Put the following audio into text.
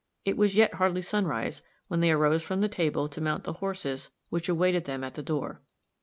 It was yet hardly sunrise when they arose from the table to mount the horses which awaited them at the door.